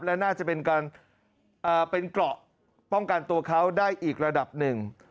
และน่าจะเป็นกระป้องกันตัวเขาได้อีกระดับหนึ่ง